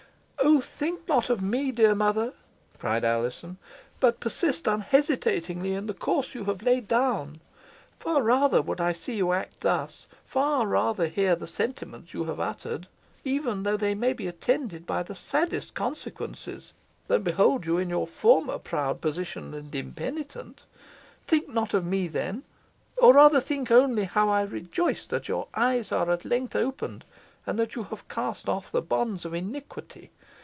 "Oh, think not of me, dear mother!" cried Alizon, "but persist unhesitatingly in the course you have laid down. Far rather would I see you act thus far rather hear the sentiments you have uttered, even though they may be attended by the saddest, consequences, than behold you in your former proud position, and impenitent. Think not of me, then. Or, rather, think only how I rejoice that your eyes are at length opened, and that you have cast off the bonds of iniquity.